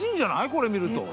これ見ると。